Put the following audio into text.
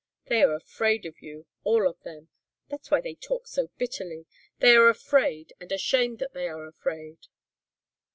They are afraid of you, all of them. That's why they talk so bitterly. They are afraid and ashamed that they are afraid."